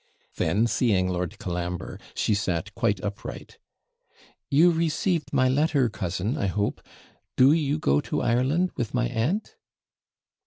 Then seeing Lord Colambre, she sat quite upright. 'You received my letter, cousin, I hope? Do you go to Ireland with my aunt?'